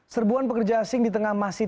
serbuan pekerja asing di tengah masih